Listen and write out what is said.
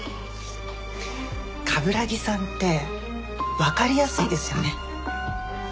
冠城さんってわかりやすいですよね。